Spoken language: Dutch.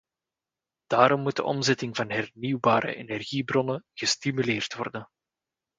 Daarom moet de omzetting van hernieuwbare energiebronnen gestimuleerd worden.